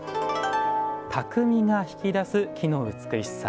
「匠が引き出す木の美しさ」。